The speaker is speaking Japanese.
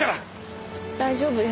大丈夫よ。